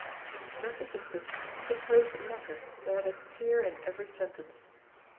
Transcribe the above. Thus assisted, he composed a letter that had a tear in every sentence.